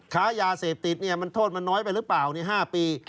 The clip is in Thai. ขายาเสพติดเนี่ยมันโทษมันน้อยไปหรือเปล่า๕ปี